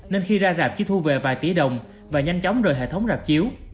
nên khi ra rạp chỉ thu về vài tỷ đồng và nhanh chóng rời hệ thống rạp chiếu